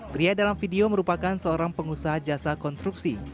pria dalam video merupakan seorang pengusaha jasa konstruksi